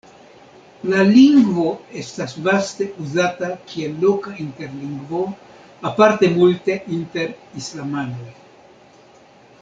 La lingvo estas vaste uzata kiel loka interlingvo, aparte multe inter islamanoj.